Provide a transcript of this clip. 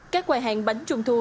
các quài hàng bánh trung thu